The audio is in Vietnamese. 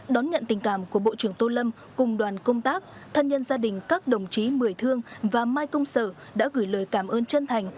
đón nhận tình cảm của bộ trưởng tô lâm cùng đoàn công tác thân nhân gia đình các đồng chí mười thương và mai công sở đã gửi lời cảm ơn chân thành